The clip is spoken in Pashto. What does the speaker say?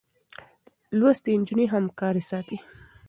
لوستې نجونې همکاري ساتي.